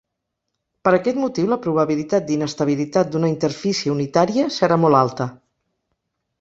Per aquest motiu la probabilitat d'inestabilitat d'una interfície unitària serà molt alta.